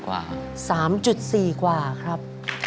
๓๔กว่าครับ๓๔กว่าครับ